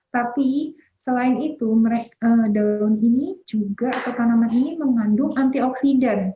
tapi selain itu daun ini juga atau tanaman ini mengandung antioksidan